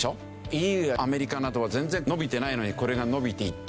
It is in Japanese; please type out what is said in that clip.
ＥＵやアメリカなどは全然伸びてないのにこれが伸びていった。